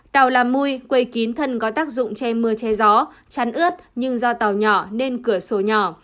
tàu làm mùi quầy kín thân có tác dụng che mưa che gió chắn ướt nhưng do tàu nhỏ nên cửa sổ nhỏ